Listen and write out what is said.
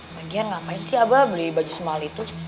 lagi yang ngapain sih abah beli baju semal itu